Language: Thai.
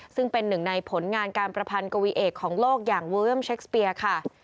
ซึ่งเป็นหนึ่งในผลงานการประพันกวีเอกของโลกอย่างเวอร์เอมเช็คสเปียค่ะ